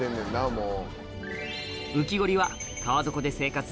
もう。